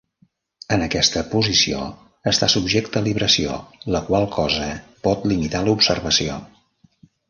En aquesta posició, està subjecte a libració, la qual cosa pot limitar l'observació.